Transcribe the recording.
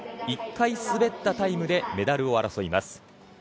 １回滑ったタイムでメダルを争います。